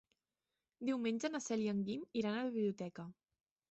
Diumenge na Cel i en Guim iran a la biblioteca.